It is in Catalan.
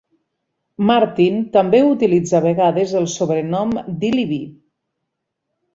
Martin també utilitza a vegades el sobrenom d'"Illy B".